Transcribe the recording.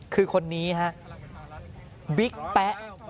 คือคนนี้ฮะบิ๊กแป๊ะ